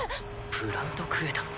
プラント・クエタの。